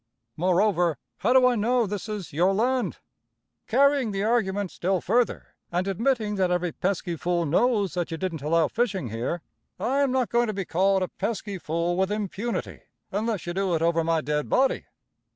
Moreover, how do I know this is your land? Carrying the argument still further, and admitting that every peesky fool knows that you didn't allow fishing here, I am not going to be called a pesky fool with impunity, unless you do it over my dead body."